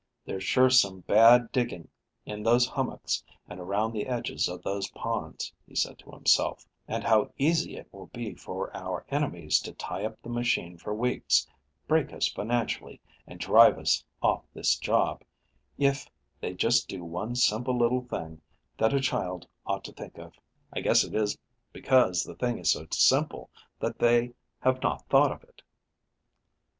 "There's sure some bad digging in those hummocks and around the edges of those ponds," he said to himself, "and how easy it will be for our enemies to tie up the machine for weeks, break us financially, and drive us off this job, if they just do one simple little thing that a child ought to think of. I guess it is because the thing is so simple that they have not thought of it."